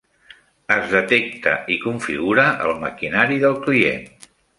Es detecta i configura el maquinari del client.